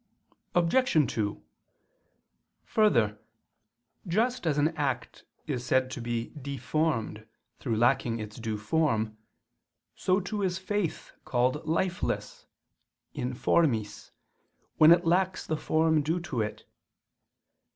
Obj. 2: Further, just as an act is said to be deformed through lacking its due form, so too is faith called lifeless (informis) when it lacks the form due to it.